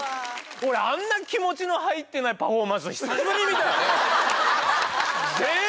俺あんな気持ちの入ってないパフォーマンス久しぶりに見たよ。